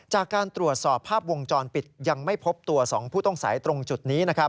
จากการตรวจสอบภาพวงจรปิดยังไม่พบตัว๒ผู้ต้องสัยตรงจุดนี้